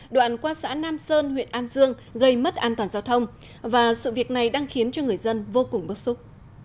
đoạn qua xã nam sơn huyện an dương gây mất an toàn giao thông và sự việc này đang khiến cho người dân vô cùng bức xúc